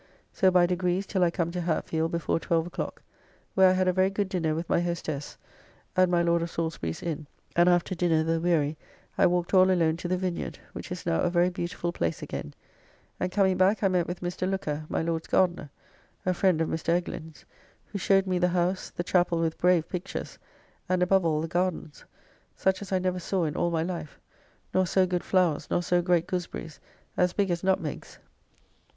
So by degrees till I come to Hatfield before twelve o'clock, where I had a very good dinner with my hostess, at my Lord of Salisbury's Inn, and after dinner though weary I walked all alone to the Vineyard, which is now a very beautiful place again; and coming back I met with Mr. Looker, my Lord's gardener (a friend of Mr. Eglin's), who showed me the house, the chappell with brave pictures, and, above all, the gardens, such as I never saw in all my life; nor so good flowers, nor so great gooseberrys, as big as nutmegs.